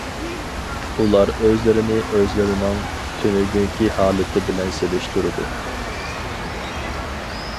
ئۇلار ئۆزلىرىنى ئۆزلىرىنىڭ تۈنۈگۈنكى ھالىتى بىلەن سېلىشتۇرىدۇ.